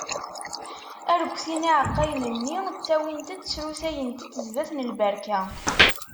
Arekti n yiεeqqayen-nni, ttawint-t srusayent-t sdat n lberka.